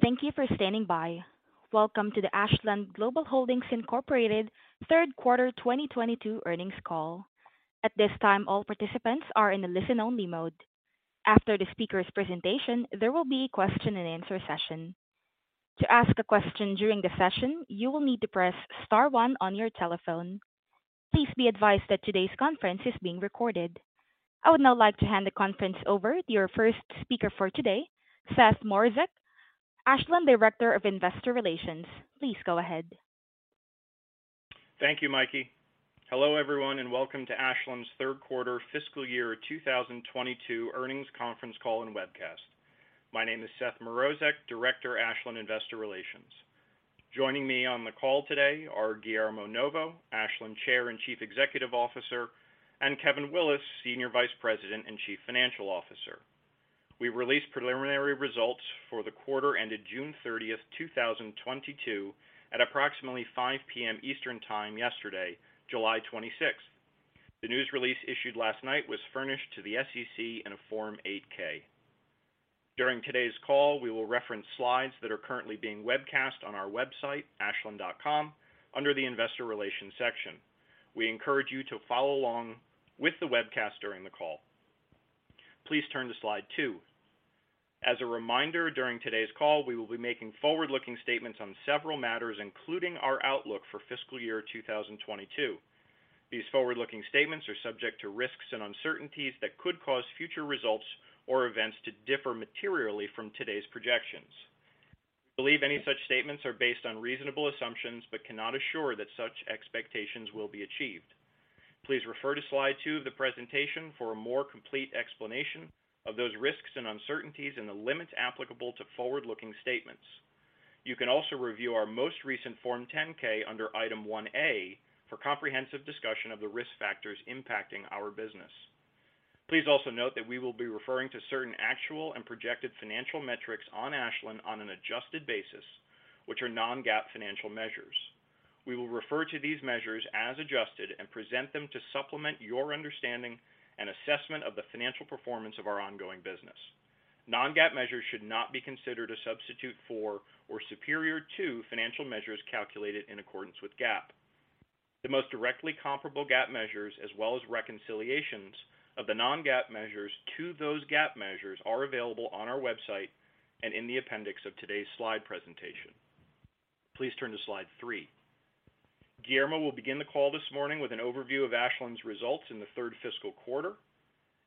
Thank you for standing by. Welcome to the Ashland Global Holdings Inc third quarter 2022 earnings call. At this time, all participants are in a listen-only mode. After the speaker's presentation, there will be a question-and-answer session. To ask a question during the session, you will need to press star one on your telephone. Please be advised that today's conference is being recorded. I would now like to hand the conference over to your first speaker for today, Seth Mrozek, Ashland Director of Investor Relations. Please go ahead. Thank you, Mikey. Hello, everyone, and welcome to Ashland's third quarter fiscal year 2022 earnings conference call and webcast. My name is Seth Mrozek, Director, Ashland Investor Relations. Joining me on the call today are Guillermo Novo, Ashland Chair and Chief Executive Officer, and Kevin Willis, Senior Vice President and Chief Financial Officer. We released preliminary results for the quarter ended June 30th, 2022, at approximately 5 P.M. Eastern Time yesterday, July 26th. The news release issued last night was furnished to the SEC in a Form 8-K. During today's call, we will reference slides that are currently being webcast on our website, ashland.com, under the Investor Relations section. We encourage you to follow along with the webcast during the call. Please turn to slide two. As a reminder, during today's call, we will be making forward-looking statements on several matters, including our outlook for fiscal year 2022. These forward-looking statements are subject to risks and uncertainties that could cause future results or events to differ materially from today's projections. We believe any such statements are based on reasonable assumptions, but cannot assure that such expectations will be achieved. Please refer to slide two of the presentation for a more complete explanation of those risks and uncertainties and the limits applicable to forward-looking statements. You can also review our most recent Form 10-K under Item 1-A for comprehensive discussion of the risk factors impacting our business. Please also note that we will be referring to certain actual and projected financial metrics on Ashland on an adjusted basis, which are non-GAAP financial measures. We will refer to these measures as adjusted and present them to supplement your understanding and assessment of the financial performance of our ongoing business. Non-GAAP measures should not be considered a substitute for or superior to financial measures calculated in accordance with GAAP. The most directly comparable GAAP measures, as well as reconciliations of the non-GAAP measures to those GAAP measures, are available on our website and in the appendix of today's slide presentation. Please turn to slide three. Guillermo will begin the call this morning with an overview of Ashland's results in the third fiscal quarter.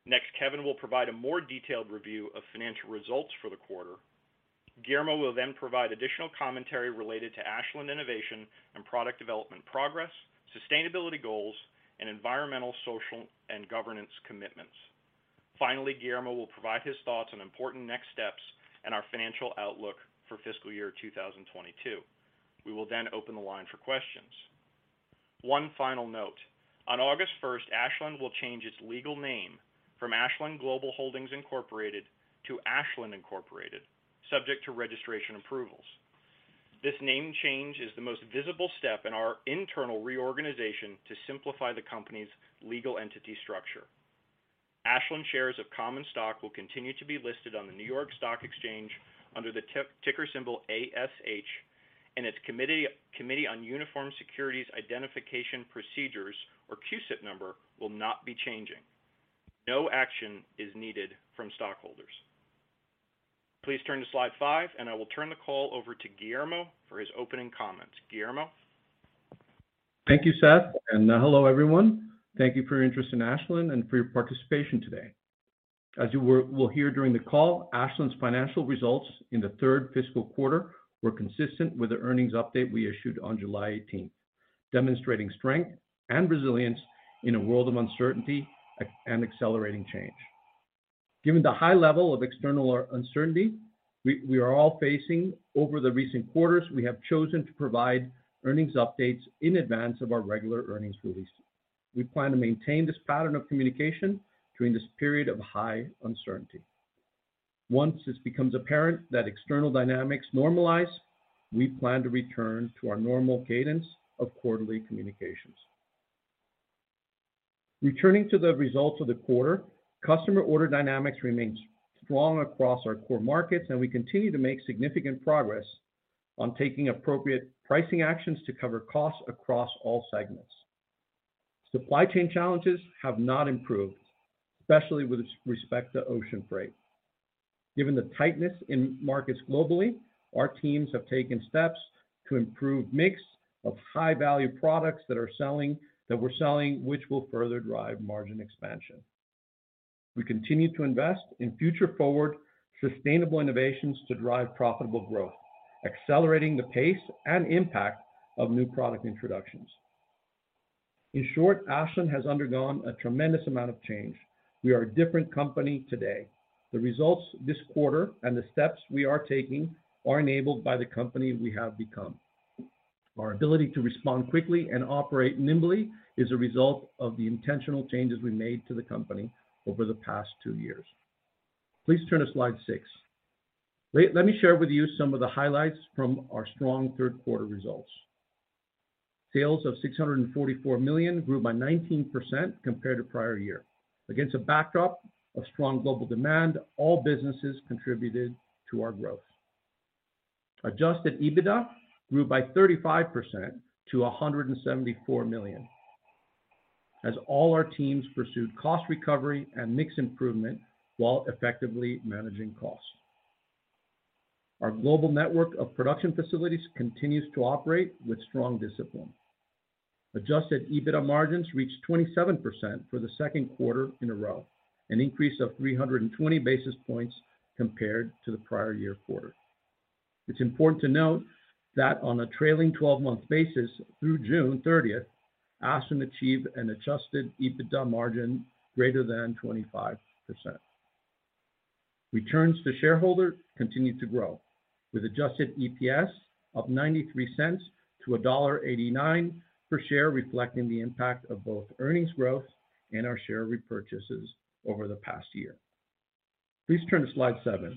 Next, Kevin will provide a more detailed review of financial results for the quarter. Guillermo will then provide additional commentary related to Ashland innovation and product development progress, sustainability goals, and environmental, social, and governance commitments. Finally, Guillermo will provide his thoughts on important next steps and our financial outlook for fiscal year 2022. We will then open the line for questions. One final note: on August first, Ashland will change its legal name from Ashland Global Holdings Inc. to Ashland Inc., subject to registration approvals. This name change is the most visible step in our internal reorganization to simplify the company's legal entity structure. Ashland shares of common stock will continue to be listed on the New York Stock Exchange under the ticker symbol ASH, and its Committee on Uniform Securities Identification Procedures, or CUSIP, number will not be changing. No action is needed from stockholders. Please turn to slide 5, and I will turn the call over to Guillermo for his opening comments. Guillermo? Thank you, Seth, and hello, everyone. Thank you for your interest in Ashland and for your participation today. As you will hear during the call, Ashland's financial results in the third fiscal quarter were consistent with the earnings update we issued on July eighteenth, demonstrating strength and resilience in a world of uncertainty and accelerating change. Given the high level of external uncertainty we are all facing over the recent quarters, we have chosen to provide earnings updates in advance of our regular earnings release. We plan to maintain this pattern of communication during this period of high uncertainty. Once this becomes apparent that external dynamics normalize, we plan to return to our normal cadence of quarterly communications. Returning to the results of the quarter, customer order dynamics remains strong across our core markets, and we continue to make significant progress on taking appropriate pricing actions to cover costs across all segments. Supply chain challenges have not improved, especially with respect to ocean freight. Given the tightness in markets globally, our teams have taken steps to improve mix of high-value products that we're selling, which will further drive margin expansion. We continue to invest in future-forward sustainable innovations to drive profitable growth, accelerating the pace and impact of new product introductions. In short, Ashland has undergone a tremendous amount of change. We are a different company today. The results this quarter and the steps we are taking are enabled by the company we have become. Our ability to respond quickly and operate nimbly is a result of the intentional changes we made to the company over the past two years. Please turn to slide 6. Let me share with you some of the highlights from our strong third quarter results. Sales of $644 million grew by 19% compared to prior year. Against a backdrop of strong global demand, all businesses contributed to our growth. Adjusted EBITDA grew by 35% to $174 million as all our teams pursued cost recovery and mix improvement while effectively managing costs. Our global network of production facilities continues to operate with strong discipline. Adjusted EBITDA margins reached 27% for the second quarter in a row, an increase of 320 basis points compared to the prior year quarter. It's important to note that on a trailing 12-month basis through June 30th, Ashland achieved an adjusted EBITDA margin greater than 25%. Returns to shareholders continued to grow, with adjusted EPS up $0.93 to $1.89 per share, reflecting the impact of both earnings growth and our share repurchases over the past year. Please turn to slide seven.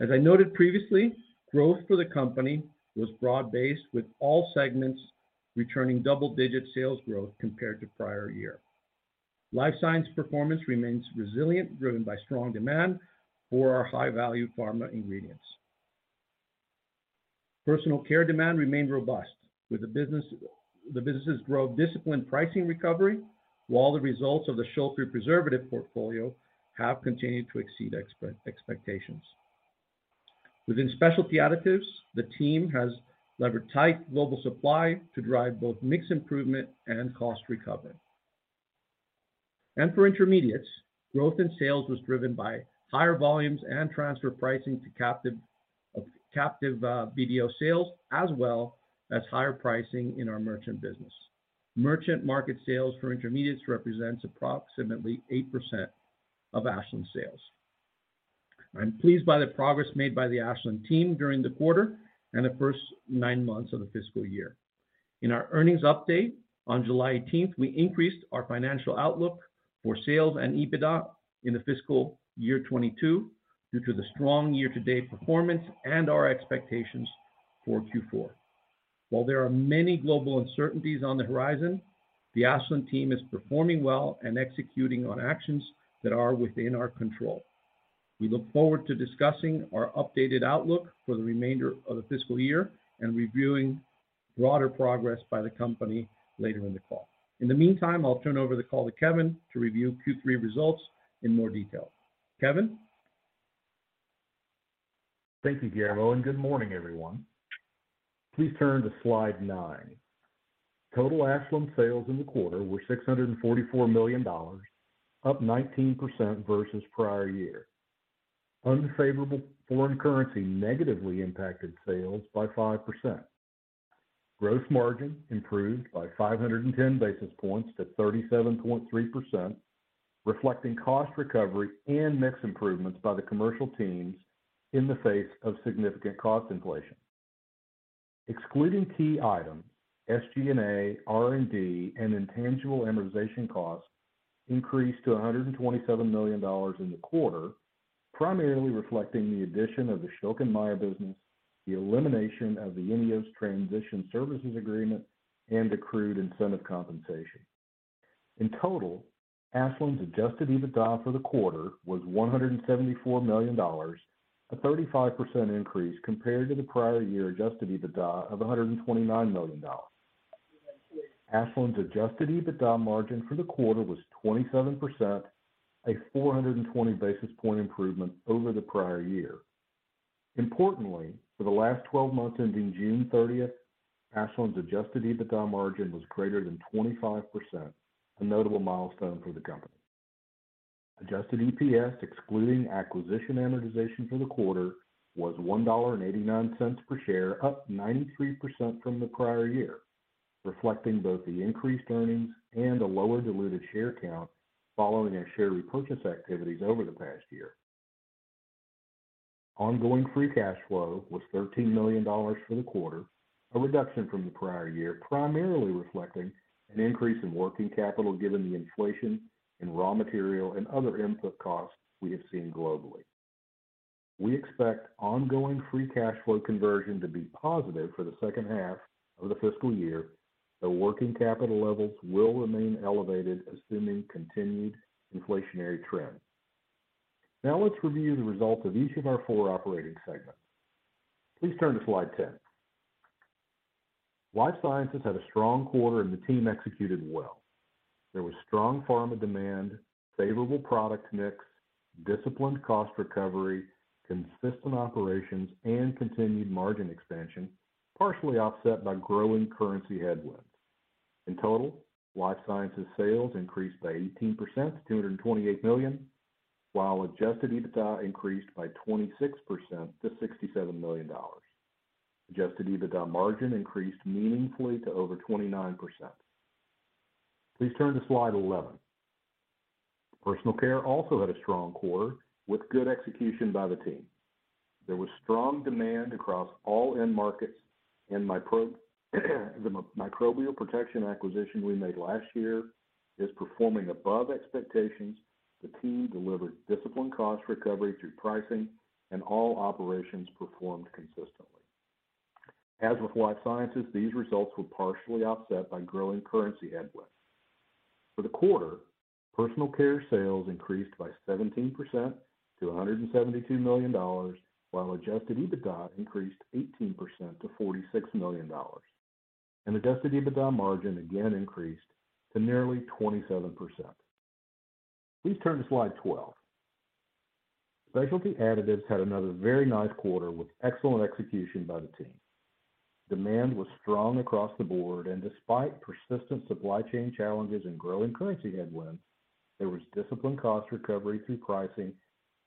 As I noted previously, growth for the company was broad-based, with all segments returning double-digit sales growth compared to prior year. Life Sciences performance remains resilient, driven by strong demand for our high-value pharma ingredients. Personal Care demand remained robust with the business's growth disciplined pricing recovery, while the results of the Schülke preservative portfolio have continued to exceed expectations. Within Specialty Additives, the team has levered tight global supply to drive both mix improvement and cost recovery. For intermediates, growth in sales was driven by higher volumes and transfer pricing to captive BDO sales, as well as higher pricing in our merchant business. Merchant market sales for intermediates represents approximately 8% of Ashland sales. I'm pleased by the progress made by the Ashland team during the quarter and the first nine months of the fiscal year. In our earnings update on July eighteenth, we increased our financial outlook for sales and EBITDA in the fiscal year 2022 due to the strong year-to-date performance and our expectations for Q4. While there are many global uncertainties on the horizon, the Ashland team is performing well and executing on actions that are within our control. We look forward to discussing our updated outlook for the remainder of the fiscal year and reviewing broader progress by the company later in the call. In the meantime, I'll turn over the call to Kevin to review Q3 results in more detail. Kevin? Thank you, Guillermo, and good morning, everyone. Please turn to slide nine. Total Ashland sales in the quarter were $644 million, up 19% versus prior year. Unfavorable foreign currency negatively impacted sales by 5%. Gross margin improved by 510 basis points to 37.3%, reflecting cost recovery and mix improvements by the commercial teams in the face of significant cost inflation. Excluding key items, SG&A, R&D, and intangible amortization costs increased to $127 million in the quarter, primarily reflecting the addition of the Schülke & Mayr business, the elimination of the INEOS transition services agreement, and accrued incentive compensation. In total, Ashland's adjusted EBITDA for the quarter was $174 million, a 35% increase compared to the prior year adjusted EBITDA of $129 million. Ashland's adjusted EBITDA margin for the quarter was 27%, a 420 basis point improvement over the prior year. Importantly, for the last 12 months ending June 30th, Ashland's adjusted EBITDA margin was greater than 25%, a notable milestone for the company. Adjusted EPS, excluding acquisition amortization for the quarter, was $1.89 per share, up 93% from the prior year, reflecting both the increased earnings and a lower diluted share count following our share repurchase activities over the past year. Ongoing free cash flow was $13 million for the quarter, a reduction from the prior year, primarily reflecting an increase in working capital given the inflation in raw material and other input costs we have seen globally. We expect ongoing free cash flow conversion to be positive for the second half of the fiscal year, though working capital levels will remain elevated assuming continued inflationary trends. Now, let's review the results of each of our four operating segments. Please turn to slide 10. Life Sciences had a strong quarter and the team executed well. There was strong pharma demand, favorable product mix, disciplined cost recovery, consistent operations, and continued margin expansion, partially offset by growing currency headwinds. In total, Life Sciences sales increased by 18% to $228 million, while adjusted EBITDA increased by 26% to $67 million. Adjusted EBITDA margin increased meaningfully to over 29%. Please turn to slide 11. Personal Care also had a strong quarter with good execution by the team. There was strong demand across all end markets and the Microbial Protection acquisition we made last year is performing above expectations. The team delivered disciplined cost recovery through pricing, and all operations performed consistently. As with Life Sciences, these results were partially offset by growing currency headwinds. For the quarter, Personal Care sales increased by 17% to $172 million, while adjusted EBITDA increased 18% to $46 million. Adjusted EBITDA margin again increased to nearly 27%. Please turn to slide 12. Specialty Additives had another very nice quarter with excellent execution by the team. Demand was strong across the board, and despite persistent supply chain challenges and growing currency headwinds, there was disciplined cost recovery through pricing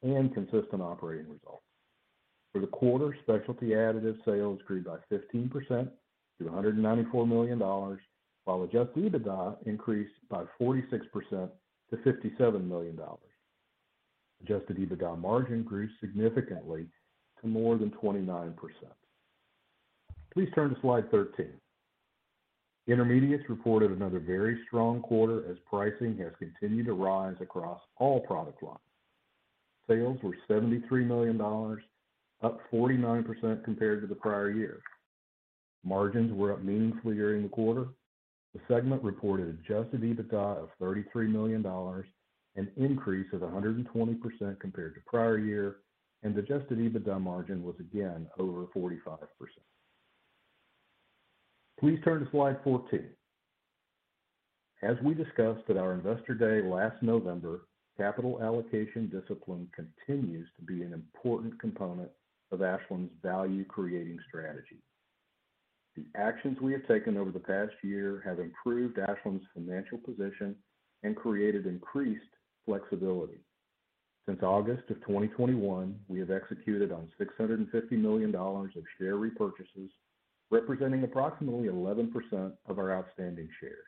and consistent operating results. For the quarter, Specialty Additives sales grew by 15% to $194 million, while adjusted EBITDA increased by 46% to $57 million. Adjusted EBITDA margin grew significantly to more than 29%. Please turn to slide 13. Intermediates reported another very strong quarter as pricing has continued to rise across all product lines. Sales were $73 million, up 49% compared to the prior year. Margins were up meaningfully during the quarter. The segment reported adjusted EBITDA of $33 million, an increase of 120% compared to prior year, and adjusted EBITDA margin was again over 45%. Please turn to slide 14. As we discussed at our Investor Day last November, capital allocation discipline continues to be an important component of Ashland's value-creating strategy. The actions we have taken over the past year have improved Ashland's financial position and created increased flexibility. Since August of 2021, we have executed on $650 million of share repurchases, representing approximately 11% of our outstanding shares.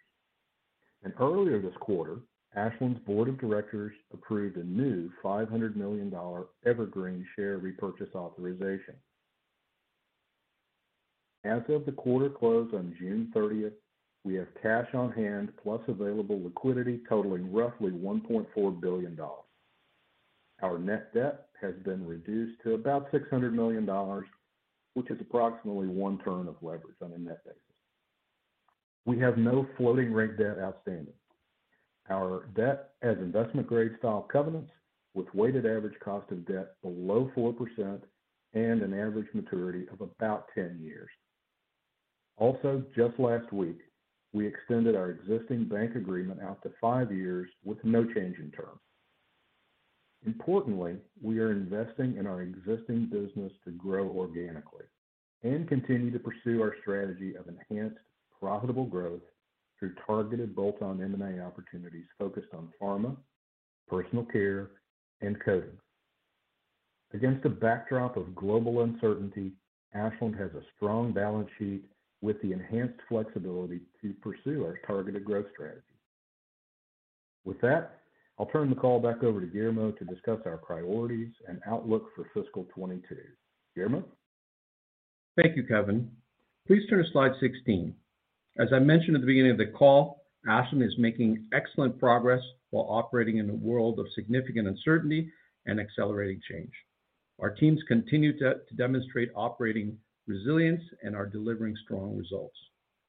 Earlier this quarter, Ashland's Board of Directors approved a new $500 million dollar evergreen share repurchase authorization. As of the quarter close on June 30th, we have cash on hand plus available liquidity totaling roughly $1.4 billion. Our net debt has been reduced to about $600 million, which is approximately one turn of leverage on a net basis. We have no floating rate debt outstanding. Our debt has investment-grade style covenants with weighted average cost of debt below 4% and an average maturity of about 10 years. Also, just last week, we extended our existing bank agreement out to five years with no change in terms. Importantly, we are investing in our existing business to grow organically and continue to pursue our strategy of enhanced profitable growth through targeted bolt-on M&A opportunities focused on pharma, personal care, and coatings. Against a backdrop of global uncertainty, Ashland has a strong balance sheet with the enhanced flexibility to pursue our targeted growth strategy. With that, I'll turn the call back over to Guillermo to discuss our priorities and outlook for fiscal 2022. Guillermo? Thank you, Kevin. Please turn to slide 16. As I mentioned at the beginning of the call, Ashland is making excellent progress while operating in a world of significant uncertainty and accelerating change. Our teams continue to demonstrate operating resilience and are delivering strong results.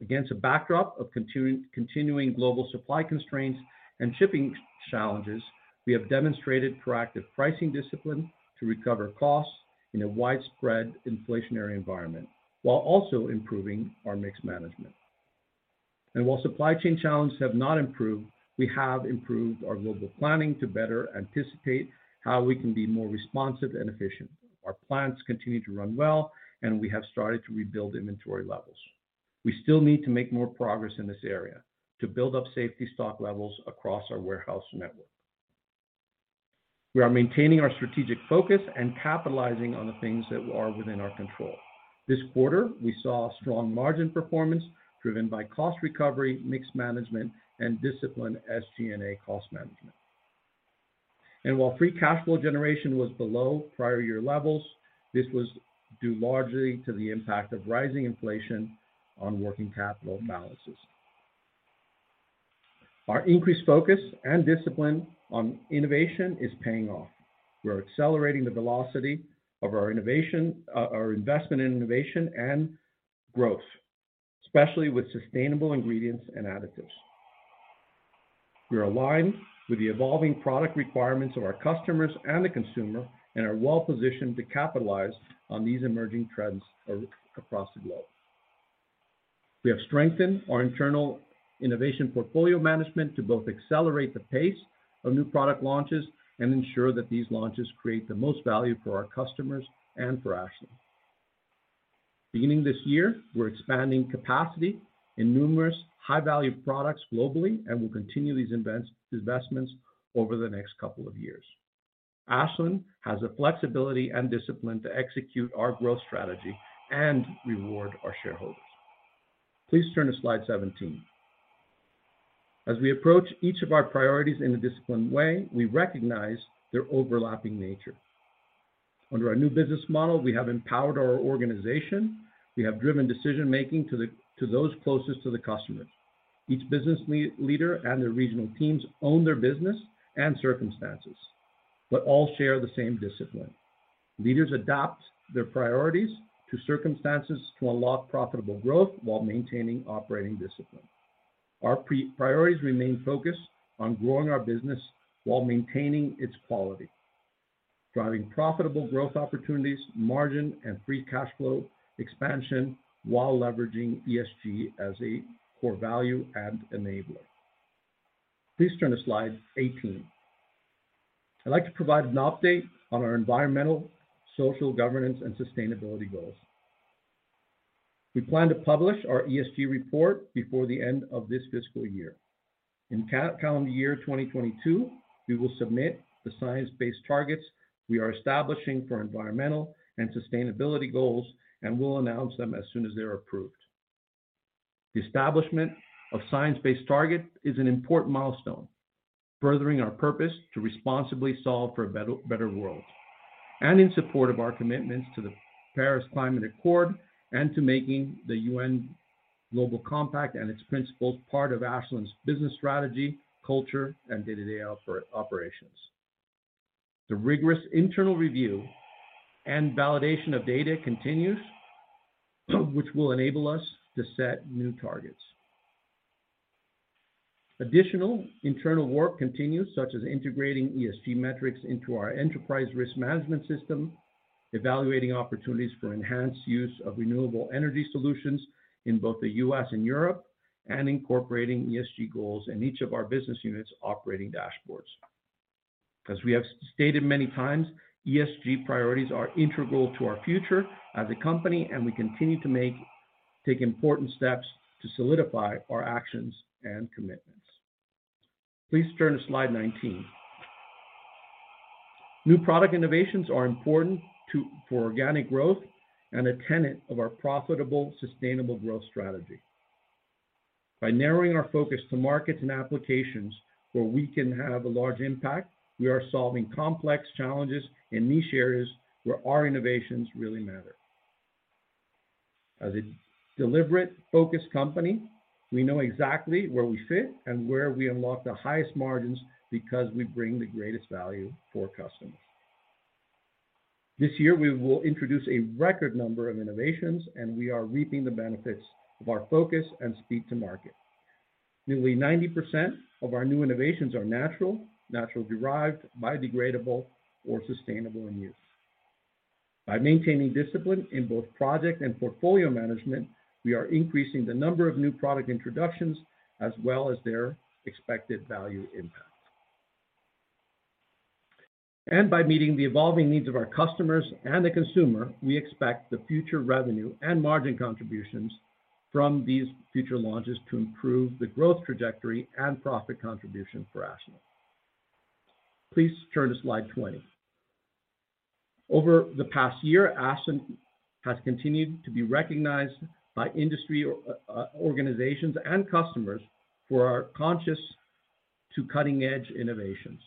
Against a backdrop of continuing global supply constraints and shipping challenges, we have demonstrated proactive pricing discipline to recover costs in a widespread inflationary environment while also improving our mix management. While supply chain challenges have not improved, we have improved our global planning to better anticipate how we can be more responsive and efficient. Our plants continue to run well, and we have started to rebuild inventory levels. We still need to make more progress in this area to build up safety stock levels across our warehouse network. We are maintaining our strategic focus and capitalizing on the things that are within our control. This quarter, we saw strong margin performance driven by cost recovery, mix management, and disciplined SG&A cost management. While free cash flow generation was below prior year levels, this was due largely to the impact of rising inflation on working capital balances. Our increased focus and discipline on innovation is paying off. We're accelerating the velocity of our innovation, our investment in innovation and growth, especially with sustainable ingredients and additives. We are aligned with the evolving product requirements of our customers and the consumer and are well-positioned to capitalize on these emerging trends across the globe. We have strengthened our internal innovation portfolio management to both accelerate the pace of new product launches and ensure that these launches create the most value for our customers and for Ashland. Beginning this year, we're expanding capacity in numerous high-value products globally and will continue these investments over the next couple of years. Ashland has the flexibility and discipline to execute our growth strategy and reward our shareholders. Please turn to slide 17. As we approach each of our priorities in a disciplined way, we recognize their overlapping nature. Under our new business model, we have empowered our organization. We have driven decision-making to those closest to the customer. Each business leader and their regional teams own their business and circumstances, but all share the same discipline. Leaders adapt their priorities to circumstances to unlock profitable growth while maintaining operating discipline. Our priorities remain focused on growing our business while maintaining its quality. Driving profitable growth opportunities, margin, and free cash flow expansion while leveraging ESG as a core value add enabler. Please turn to slide 18. I'd like to provide an update on our environmental, social governance, and sustainability goals. We plan to publish our ESG report before the end of this fiscal year. In calendar year 2022, we will submit the science-based targets we are establishing for environmental and sustainability goals, and we'll announce them as soon as they are approved. The establishment of science-based target is an important milestone, furthering our purpose to responsibly solve for a better world, and in support of our commitments to the Paris Agreement and to making the United Nations Global Compact and its principles part of Ashland's business strategy, culture, and day-to-day operations. The rigorous internal review and validation of data continues, which will enable us to set new targets. Additional internal work continues, such as integrating ESG metrics into our enterprise risk management system, evaluating opportunities for enhanced use of renewable energy solutions in both the U.S. and Europe, and incorporating ESG goals in each of our business units' operating dashboards. As we have stated many times, ESG priorities are integral to our future as a company, and we continue to take important steps to solidify our actions and commitments. Please turn to slide 19. New product innovations are important to organic growth and a tenet of our profitable sustainable growth strategy. By narrowing our focus to markets and applications where we can have a large impact, we are solving complex challenges in niche areas where our innovations really matter. As a deliberate, focused company, we know exactly where we fit and where we unlock the highest margins because we bring the greatest value for customers. This year, we will introduce a record number of innovations, and we are reaping the benefits of our focus and speed to market. Nearly 90% of our new innovations are natural-derived, biodegradable, or sustainable in use. By maintaining discipline in both project and portfolio management, we are increasing the number of new product introductions as well as their expected value impact. By meeting the evolving needs of our customers and the consumer, we expect the future revenue and margin contributions from these future launches to improve the growth trajectory and profit contribution for Ashland. Please turn to slide 20. Over the past year, Ashland has continued to be recognized by industry organizations and customers for our conscious to cutting-edge innovations.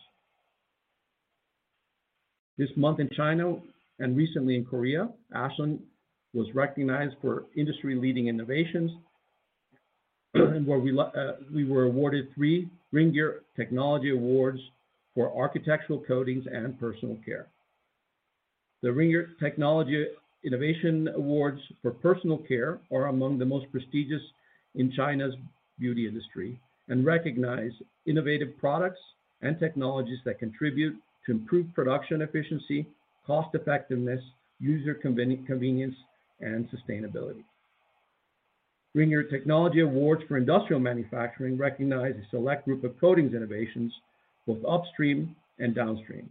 This month in China and recently in Korea, Ashland was recognized for industry-leading innovations, where we were awarded three Ringier Technology Innovation Awards for architectural coatings and personal care. The Ringier Technology Innovation Awards for Personal Care are among the most prestigious in China's beauty industry and recognize innovative products and technologies that contribute to improved production efficiency, cost-effectiveness, user convenience, and sustainability. Ringier Technology Innovation Awards for Industrial Manufacturing recognize a select group of coatings innovations, both upstream and downstream.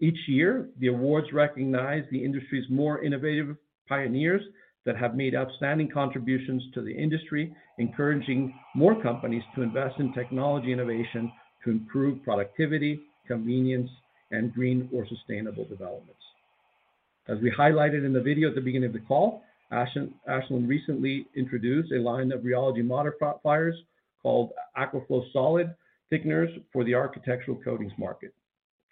Each year, the awards recognize the industry's more innovative pioneers that have made outstanding contributions to the industry, encouraging more companies to invest in technology innovation to improve productivity, convenience, and green or sustainable developments. As we highlighted in the video at the beginning of the call, Ashland recently introduced a line of rheology modifiers called Aquaflow solid thickeners for the architectural coatings market.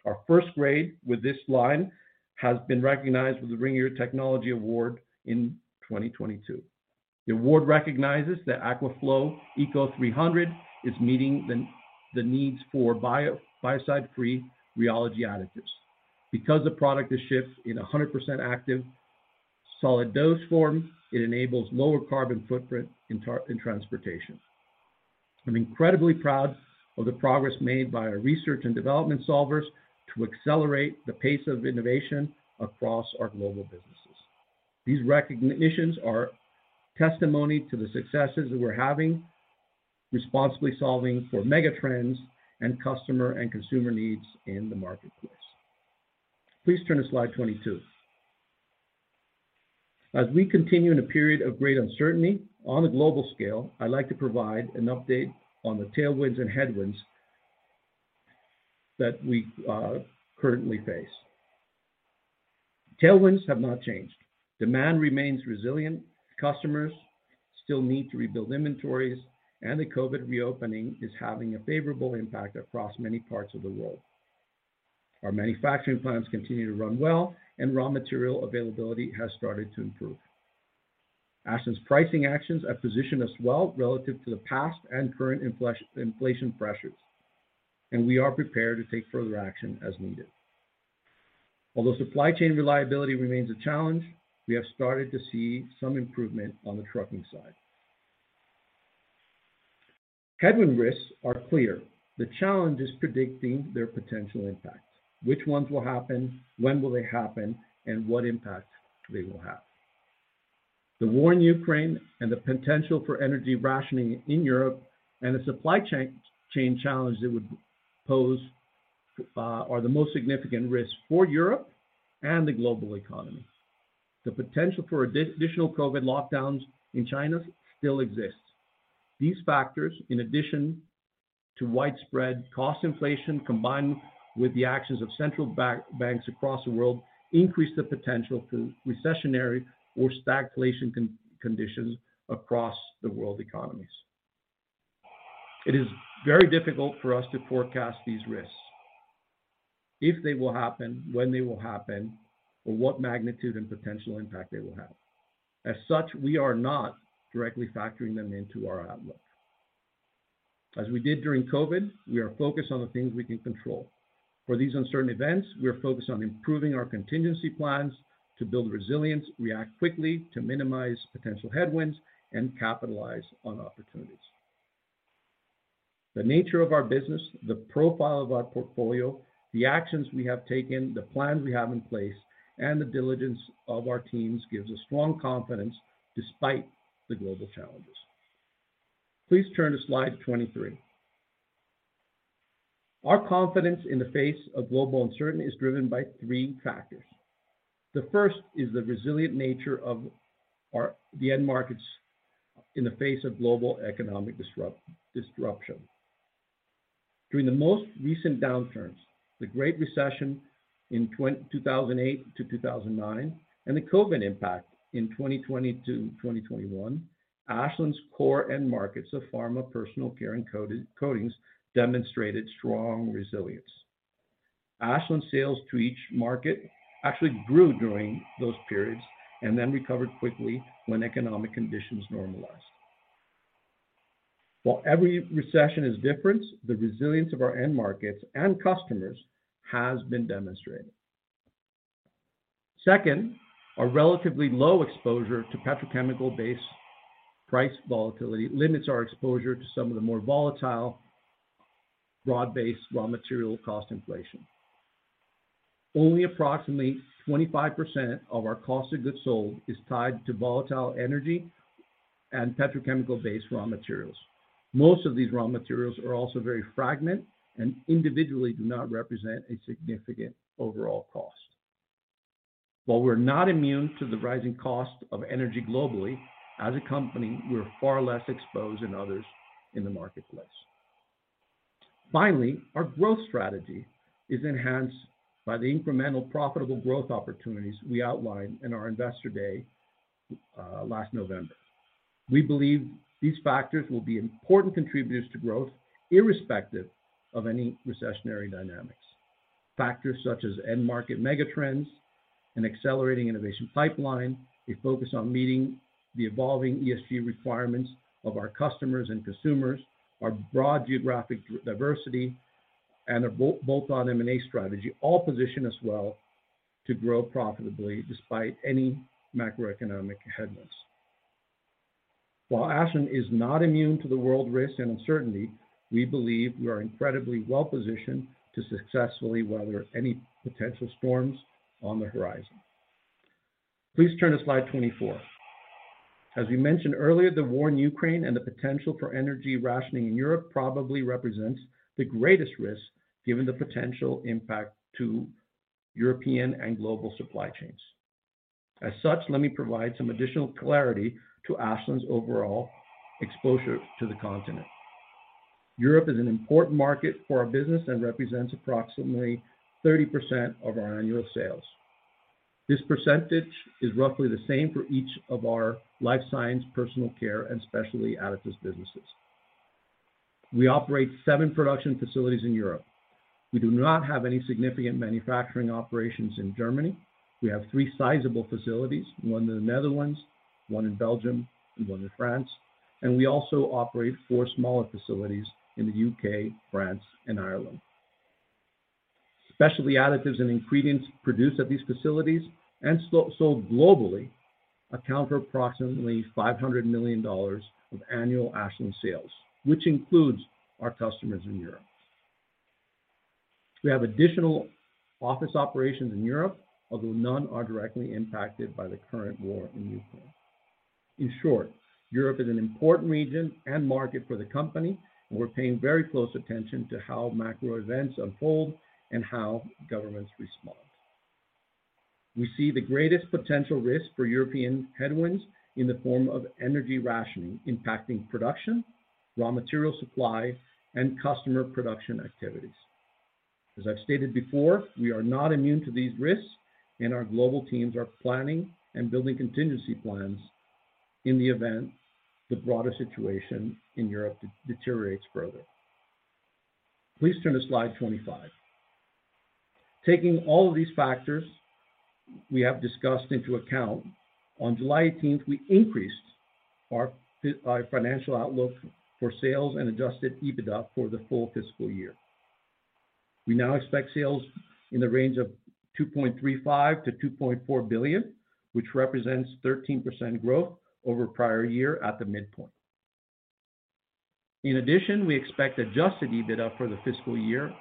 Our first grade with this line has been recognized with the Ringier Technology Award in 2022. The award recognizes that Aquaflow ECO-300 is meeting the needs for biocide-free rheology additives. Because the product is shipped in 100% active solid dose form, it enables lower carbon footprint in transportation. I'm incredibly proud of the progress made by our research and development solvers to accelerate the pace of innovation across our global businesses. These recognitions are testimony to the successes that we're having, responsibly solving for megatrends and customer and consumer needs in the marketplace. Please turn to slide 22. As we continue in a period of great uncertainty on a global scale, I'd like to provide an update on the tailwinds and headwinds that we currently face. Tailwinds have not changed. Demand remains resilient. Customers still need to rebuild inventories, and the COVID reopening is having a favorable impact across many parts of the world. Our manufacturing plants continue to run well, and raw material availability has started to improve. Ashland's pricing actions have positioned us well relative to the past and current inflation pressures, and we are prepared to take further action as needed. Although supply chain reliability remains a challenge, we have started to see some improvement on the trucking side. Headwind risks are clear. The challenge is predicting their potential impact. Which ones will happen, when will they happen, and what impact they will have. The war in Ukraine and the potential for energy rationing in Europe and the supply chain challenge that would pose are the most significant risks for Europe and the global economy. The potential for additional COVID lockdowns in China still exists. These factors, in addition to widespread cost inflation, combined with the actions of central banks across the world, increase the potential to recessionary or stagflation conditions across the world economies. It is very difficult for us to forecast these risks, if they will happen, when they will happen, or what magnitude and potential impact they will have. As such, we are not directly factoring them into our outlook. As we did during COVID, we are focused on the things we can control. For these uncertain events, we are focused on improving our contingency plans to build resilience, react quickly to minimize potential headwinds, and capitalize on opportunities. The nature of our business, the profile of our portfolio, the actions we have taken, the plans we have in place, and the diligence of our teams gives us strong confidence despite the global challenges. Please turn to slide 23. Our confidence in the face of global uncertainty is driven by three factors. The first is the resilient nature of our end markets in the face of global economic disruption. During the most recent downturns, the Great Recession in 2008 to 2009, and the COVID impact in 2020 to 2021, Ashland's core end markets of pharma, personal care, and coatings demonstrated strong resilience. Ashland sales to each market actually grew during those periods and then recovered quickly when economic conditions normalized. While every recession is different, the resilience of our end markets and customers has been demonstrated. Second, our relatively low exposure to petrochemical base price volatility limits our exposure to some of the more volatile broad-based raw material cost inflation. Only approximately 25% of our cost of goods sold is tied to volatile energy and petrochemical-based raw materials. Most of these raw materials are also very fragmented and individually do not represent a significant overall cost. While we're not immune to the rising cost of energy globally, as a company, we're far less exposed than others in the marketplace. Finally, our growth strategy is enhanced by the incremental profitable growth opportunities we outlined in our Investor Day last November. We believe these factors will be important contributors to growth irrespective of any recessionary dynamics. Factors such as end market megatrends, an accelerating innovation pipeline, a focus on meeting the evolving ESG requirements of our customers and consumers, our broad geographic diversity, and a bolt-on M&A strategy all position us well to grow profitably despite any macroeconomic headwinds. While Ashland is not immune to the world risks and uncertainty, we believe we are incredibly well-positioned to successfully weather any potential storms on the horizon. Please turn to slide 24. As we mentioned earlier, the war in Ukraine and the potential for energy rationing in Europe probably represents the greatest risk given the potential impact to European and global supply chains. As such, let me provide some additional clarity to Ashland's overall exposure to the continent. Europe is an important market for our business and represents approximately 30% of our annual sales. This percentage is roughly the same for each of our Life Sciences, Personal Care, and Specialty Additives businesses. We operate seven production facilities in Europe. We do not have any significant manufacturing operations in Germany. We have three sizable facilities, one in the Netherlands, one in Belgium, and one in France, and we also operate four smaller facilities in the U.K., France, and Ireland. Specialty additives and ingredients produced at these facilities and sold globally account for approximately $500 million of annual Ashland sales, which includes our customers in Europe. We have additional office operations in Europe, although none are directly impacted by the current war in Ukraine. In short, Europe is an important region and market for the company, and we're paying very close attention to how macro events unfold and how governments respond. We see the greatest potential risk for European headwinds in the form of energy rationing impacting production, raw material supply, and customer production activities. As I've stated before, we are not immune to these risks, and our global teams are planning and building contingency plans in the event the broader situation in Europe deteriorates further. Please turn to slide 25. Taking all of these factors we have discussed into account, on July 18, we increased our financial outlook for sales and adjusted EBITDA for the full fiscal year. We now expect sales in the range of $2.35 billion-$2.4 billion, which represents 13% growth over prior year at the midpoint. In addition, we expect adjusted EBITDA for the fiscal year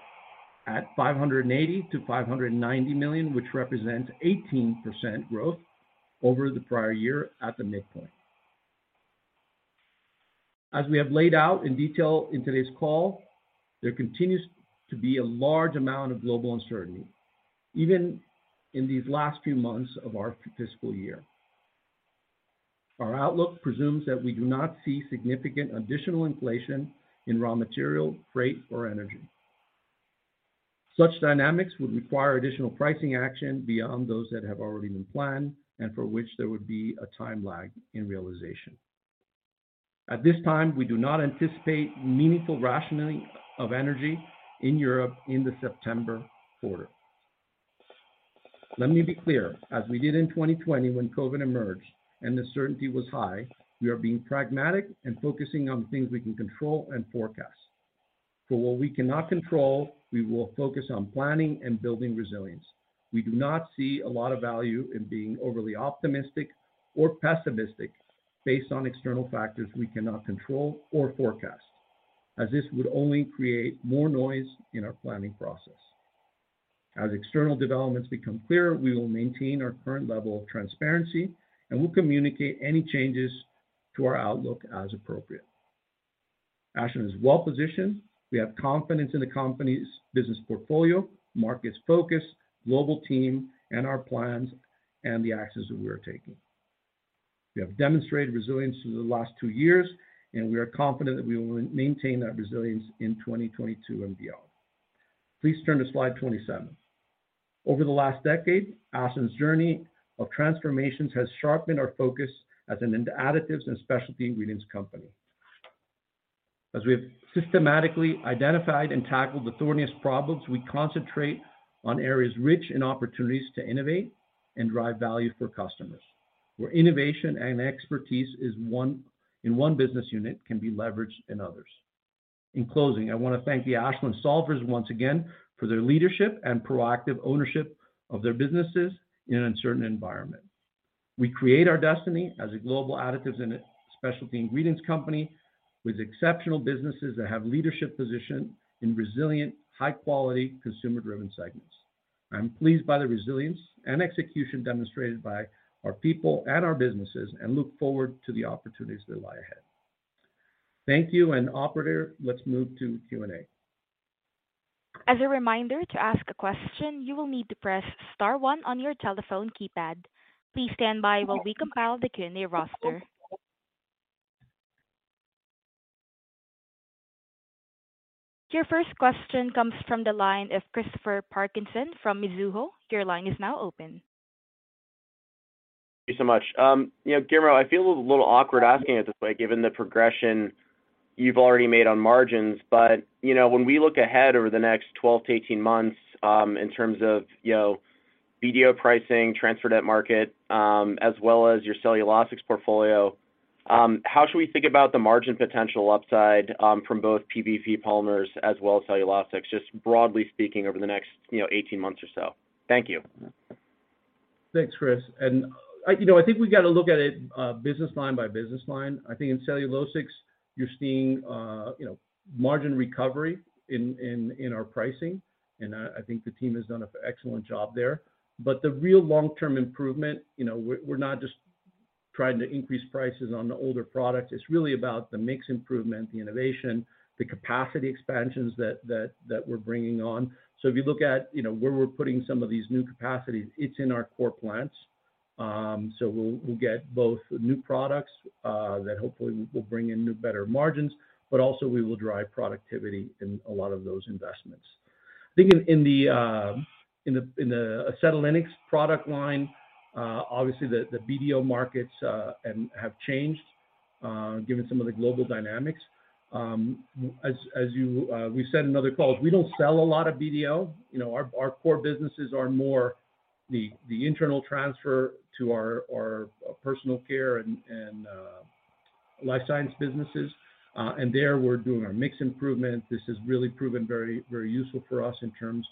at $580 million-$590 million, which represents 18% growth over the prior year at the midpoint. As we have laid out in detail in today's call, there continues to be a large amount of global uncertainty, even in these last few months of our fiscal year. Our outlook presumes that we do not see significant additional inflation in raw material, freight or energy. Such dynamics would require additional pricing action beyond those that have already been planned and for which there would be a time lag in realization. At this time, we do not anticipate meaningful rationing of energy in Europe in the September quarter. Let me be clear. As we did in 2020 when COVID emerged and the certainty was high, we are being pragmatic and focusing on things we can control and forecast. For what we cannot control, we will focus on planning and building resilience. We do not see a lot of value in being overly optimistic or pessimistic based on external factors we cannot control or forecast, as this would only create more noise in our planning process. As external developments become clearer, we will maintain our current level of transparency and will communicate any changes to our outlook as appropriate. Ashland is well-positioned. We have confidence in the company's business portfolio, markets focus, global team and our plans and the actions that we are taking. We have demonstrated resilience through the last two years, and we are confident that we will maintain that resilience in 2022 and beyond. Please turn to slide 27. Over the last decade, Ashland's journey of transformations has sharpened our focus as an additives and specialty ingredients company. As we have systematically identified and tackled the thorniest problems, we concentrate on areas rich in opportunities to innovate and drive value for customers, where innovation and expertise is in one business unit can be leveraged in others. In closing, I want to thank the Ashland solvers once again for their leadership and proactive ownership of their businesses in an uncertain environment. We create our destiny as a global additives and a specialty ingredients company with exceptional businesses that have leadership position in resilient, high quality, consumer-driven segments. I'm pleased by the resilience and execution demonstrated by our people and our businesses and look forward to the opportunities that lie ahead. Thank you, and operator, let's move to Q&A. As a reminder, to ask a question, you will need to press star one on your telephone keypad. Please stand by while we compile the Q&A roster. Your first question comes from the line of Christopher Parkinson from Mizuho. Your line is now open. Thank you so much. You know, Guillermo, I feel a little awkward asking it this way, given the progression you've already made on margins, but, you know, when we look ahead over the next 12-18 months, in terms of, you know, BDO pricing, THF derivative market, as well as your cellulosics portfolio, how should we think about the margin potential upside, from both PVP polymers as well as cellulosics, just broadly speaking, over the next, you know, 18 months or so? Thank you. Thanks, Chris. I think we got to look at it, you know, business line by business line. I think in cellulosics you're seeing, you know, margin recovery in our pricing, and I think the team has done an excellent job there. The real long-term improvement, you know, we're not just trying to increase prices on the older products. It's really about the mix improvement, the innovation, the capacity expansions that we're bringing on. If you look at, you know, where we're putting some of these new capacities, it's in our core plants. We'll get both new products that hopefully will bring in new, better margins, but also we will drive productivity in a lot of those investments. I think in the acetylenics product line, obviously the BDO markets have changed, given some of the global dynamics. As we said in other calls, we don't sell a lot of BDO. You know, our core businesses are more the internal transfer to our Personal Care and Life Sciences businesses. There we're doing our mix improvement. This has really proven very useful for us in terms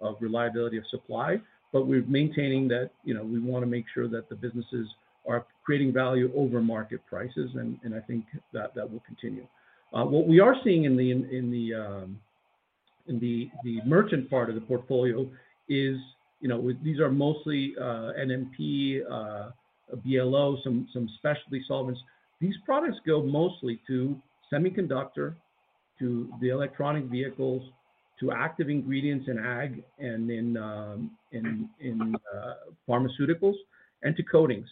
of reliability of supply. We're maintaining that, you know, we wanna make sure that the businesses are creating value over market prices and I think that will continue. What we are seeing in the merchant part of the portfolio is, you know, these are mostly NMP, BLO, some specialty solvents. These products go mostly to semiconductor, to the electric vehicles, to active ingredients in ag and in pharmaceuticals and to coatings.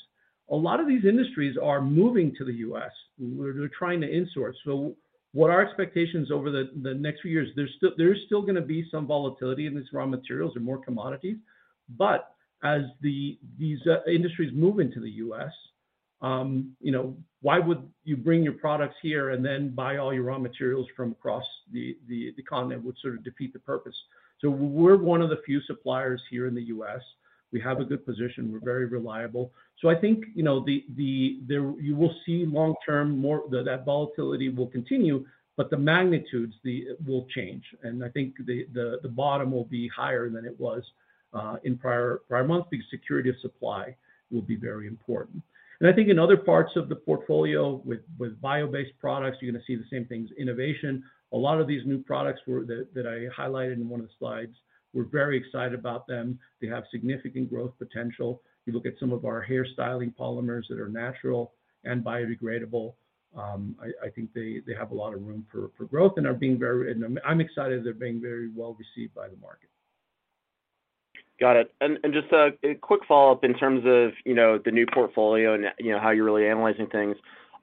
A lot of these industries are moving to the U.S. We're trying to insource. What our expectations over the next few years, there is still gonna be some volatility in these raw materials and more commodities. But as these industries move into the U.S., you know, why would you bring your products here and then buy all your raw materials from across the continent would sort of defeat the purpose. We're one of the few suppliers here in the U.S. We have a good position. We're very reliable. I think, you know, you will see long-term that volatility will continue, but the magnitudes will change. I think the bottom will be higher than it was in prior months because security of supply will be very important. I think in other parts of the portfolio with bio-based products, you're gonna see the same things, innovation. A lot of these new products that I highlighted in one of the slides, we're very excited about them. They have significant growth potential. You look at some of our hair styling polymers that are natural and biodegradable. I think they have a lot of room for growth, and I'm excited they're being very well received by the market. Got it. Just a quick follow-up in terms of, you know, the new portfolio and, you know, how you're really analyzing things.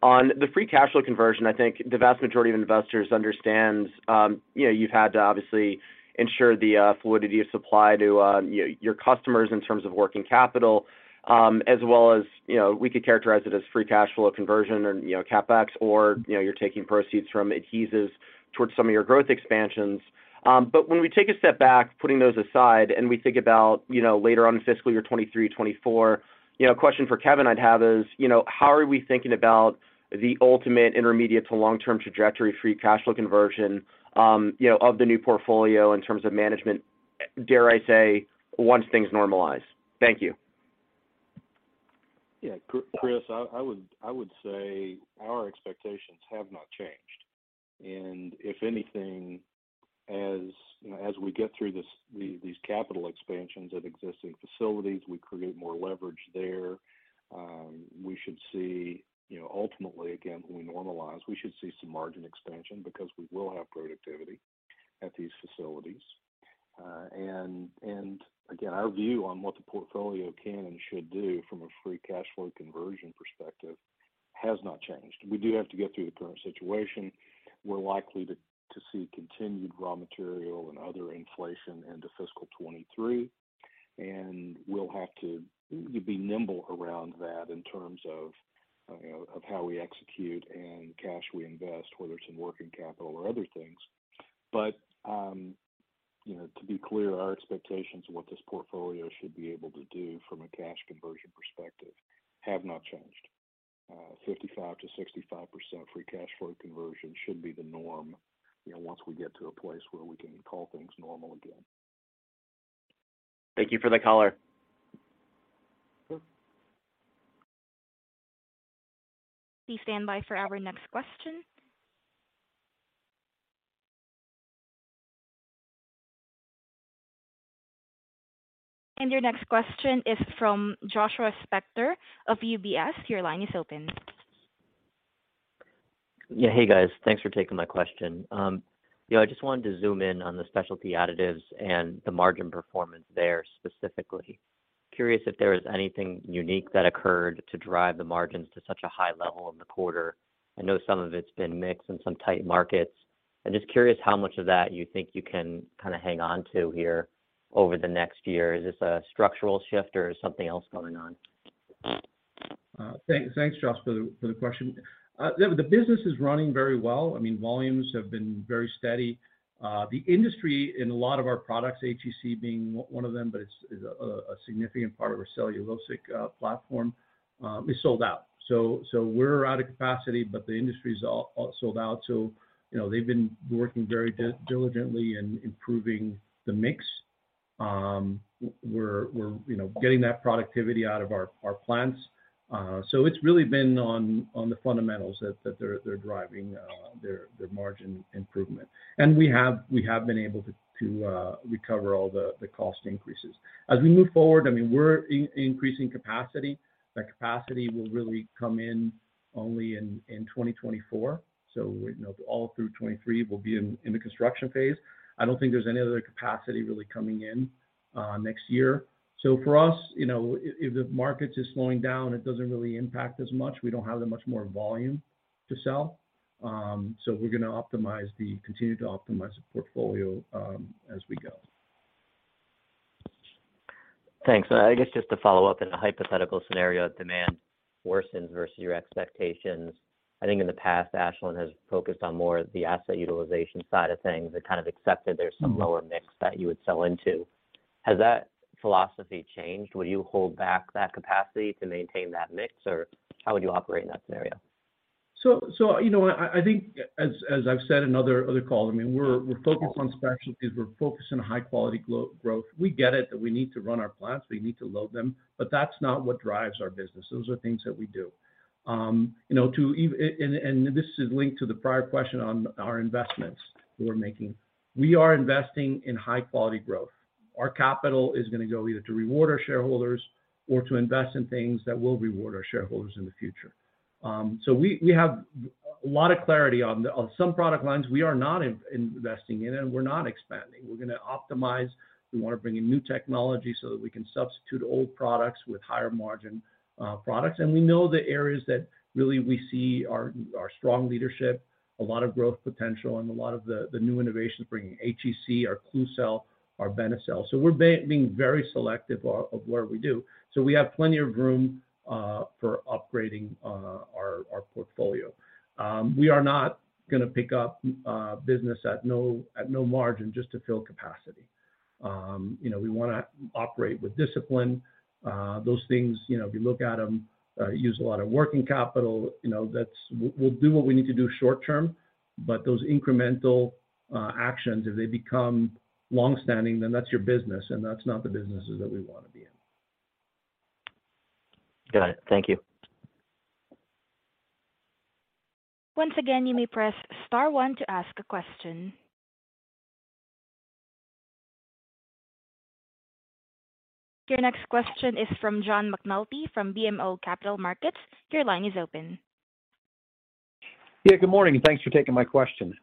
On the free cash flow conversion, I think the vast majority of investors understand, you know, you've had to obviously ensure the fluidity of supply to your customers in terms of working capital, as well as, you know, we could characterize it as free cash flow conversion and, you know, CapEx or, you know, you're taking proceeds from adhesives towards some of your growth expansions. When we take a step back, putting those aside, and we think about, you know, later on in fiscal year 2023, 2024, you know, a question for Kevin I'd have is, you know, how are we thinking about the ultimate intermediate to long-term trajectory free cash flow conversion, you know, of the new portfolio in terms of management, dare I say, once things normalize? Thank you. Yeah. Chris, I would say our expectations have not changed. If anything, as you know, as we get through these capital expansions at existing facilities, we create more leverage there. We should see, you know, ultimately, again, when we normalize, we should see some margin expansion because we will have productivity at these facilities. And again, our view on what the portfolio can and should do from a free cash flow conversion perspective has not changed. We do have to get through the current situation. We're likely to see continued raw material and other inflation into fiscal 2023, and we'll have to be nimble around that in terms of, you know, of how we execute and cash we invest, whether it's in working capital or other things. To be clear, our expectations of what this portfolio should be able to do from a cash conversion perspective have not changed. 55%-65% free cash flow conversion should be the norm, you know, once we get to a place where we can call things normal again. Thank you for the color. Sure. Please stand by for our next question. Your next question is from Joshua Spector of UBS. Your line is open. Yeah. Hey, guys. Thanks for taking my question. You know, I just wanted to zoom in on the Specialty Additives and the margin performance there specifically. Curious if there was anything unique that occurred to drive the margins to such a high level in the quarter. I know some of it's been mix and some tight markets. I'm just curious how much of that you think you can kinda hang on to here over the next year. Is this a structural shift, or is something else going on? Thanks, Josh, for the question. The business is running very well. I mean, volumes have been very steady. The industry in a lot of our products, HEC being one of them, but it's a significant part of our cellulosic platform, is sold out. So we're out of capacity, but the industry's all sold out. So, you know, they've been working very diligently in improving the mix. We're, you know, getting that productivity out of our plants. So it's really been on the fundamentals that they're driving, their margin improvement. We have been able to recover all the cost increases. As we move forward, I mean, we're increasing capacity. That capacity will really come in only in 2024. You know, all through 2023, we'll be in the construction phase. I don't think there's any other capacity really coming in next year. For us, you know, if the market is slowing down, it doesn't really impact as much. We don't have that much more volume to sell. We're gonna continue to optimize the portfolio as we go. Thanks. I guess just to follow up in a hypothetical scenario, if demand worsens versus your expectations, I think in the past, Ashland has focused on more of the asset utilization side of things and kind of accepted there's some lower mix that you would sell into. Has that philosophy changed? Would you hold back that capacity to maintain that mix, or how would you operate in that scenario? You know, I think as I've said in other calls, I mean, we're focused on specialties. We're focused on high quality growth. We get it that we need to run our plants, we need to load them, but that's not what drives our business. Those are things that we do. You know, this is linked to the prior question on our investments we're making. We are investing in high quality growth. Our capital is gonna go either to reward our shareholders or to invest in things that will reward our shareholders in the future. We have a lot of clarity on some product lines we are not investing in, and we're not expanding. We're gonna optimize. We wanna bring in new technology so that we can substitute old products with higher margin products. We know the areas that really we see are strong leadership, a lot of growth potential and a lot of the new innovations bringing HEC, our Klucel, our Benecel. We're being very selective of where we do. We have plenty of room for upgrading our portfolio. We are not gonna pick up business at no margin just to fill capacity. You know, we wanna operate with discipline. Those things, you know, if you look at them, use a lot of working capital. You know, that's what we'll do what we need to do short-term, but those incremental actions if they become long-standing, then that's your business, and that's not the businesses that we wanna be in. Got it. Thank you. Once again, you may press star one to ask a question. Your next question is from John McNulty, from BMO Capital Markets. Your line is open. Yeah, good morning, and thanks for taking my question.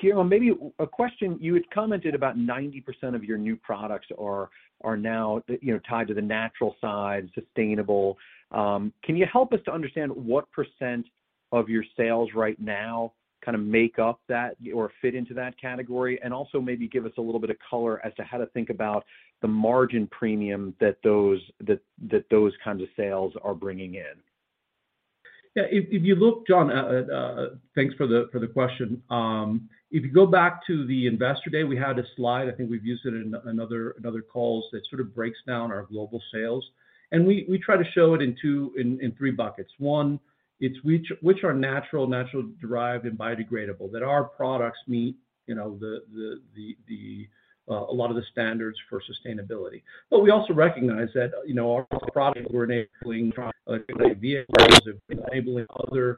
Guillermo, maybe a question. You had commented about 90% of your new products are now, you know, tied to the natural side, sustainable. Can you help us to understand what percent of your sales right now kinda make up that or fit into that category? And also maybe give us a little bit of color as to how to think about the margin premium that those kinds of sales are bringing in. Yeah, if you look, John. Thanks for the question. If you go back to the investor day, we had a slide, I think we've used it in other calls, that sort of breaks down our global sales. We try to show it in three buckets. One, it's which are natural derived and biodegradable, that our products meet, you know, a lot of the standards for sustainability. We also recognize that, you know, our products we're enabling vehicles, enabling other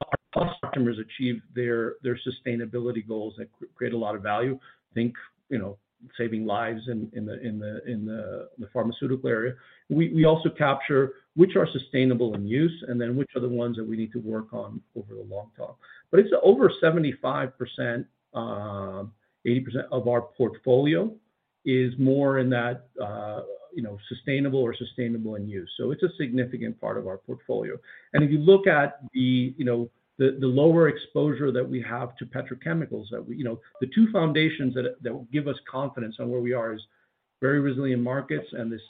customers achieve their sustainability goals that create a lot of value. Think, you know, saving lives in the pharmaceutical area. We also capture which are sustainable in use and then which are the ones that we need to work on over the long term. It's over 75%, 80% of our portfolio is more in that, you know, sustainable or sustainable in use. It's a significant part of our portfolio. If you look at the, you know, the lower exposure that we have to petrochemicals. You know, the two foundations that give us confidence on where we are is very resilient markets and this,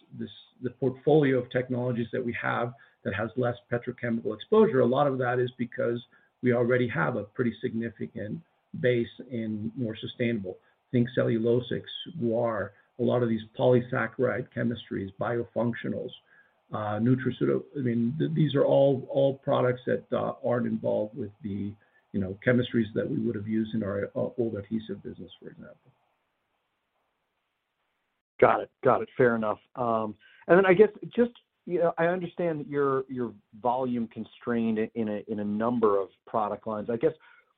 the portfolio of technologies that we have that has less petrochemical exposure. A lot of that is because we already have a pretty significant base in more sustainable. Think cellulosics, guar, a lot of these polysaccharide chemistries, biofunctionals, nutraceuticals. I mean, these are all products that aren't involved with the chemistries that we would have used in our old adhesive business, for example. Got it. Fair enough. I guess I understand that you're volume constrained in a number of product lines.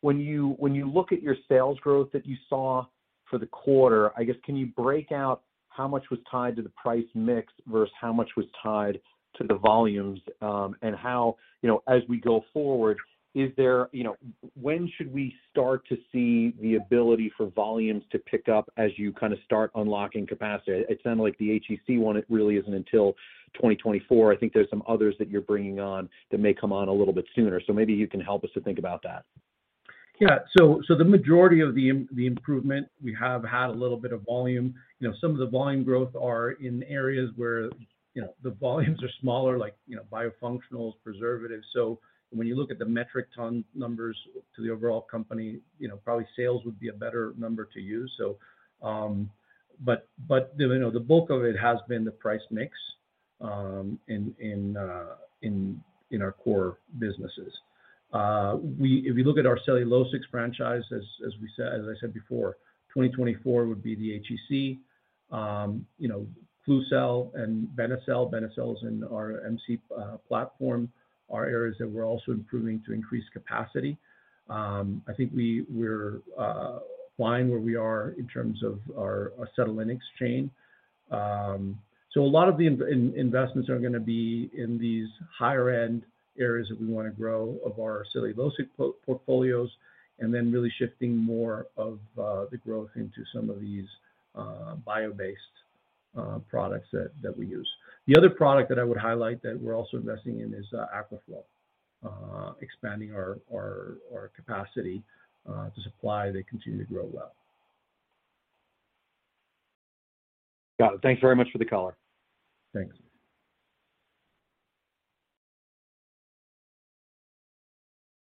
When you look at your sales growth that you saw for the quarter, I guess, can you break out how much was tied to the price mix versus how much was tied to the volumes? How, you know, as we go forward, is there, you know. When should we start to see the ability for volumes to pick up as you kinda start unlocking capacity? It sounds like the HEC one, it really isn't until 2024. I think there's some others that you're bringing on that may come on a little bit sooner. Maybe you can help us to think about that. Yeah. The majority of the improvement, we have had a little bit of volume. You know, some of the volume growth are in areas where, you know, the volumes are smaller, like, you know, biofunctionals, preservatives. When you look at the metric ton numbers to the overall company, you know, probably sales would be a better number to use. The bulk of it has been the price mix in our core businesses. If you look at our cellulosics franchise, as I said before, 2024 would be the HEC. You know, Klucel and Benecel is in our MC platform, are areas that we're also improving to increase capacity. I think we're applying where we are in terms of our acetylene exchange. A lot of the investments are gonna be in these higher-end areas that we wanna grow of our cellulosic portfolios, and then really shifting more of the growth into some of these bio-based products that we use. The other product that I would highlight that we're also investing in is Aquaflow, expanding our capacity to supply. They continue to grow well. Got it. Thanks very much for the color. Thanks.